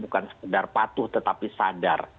bukan sekedar patuh tetapi sadar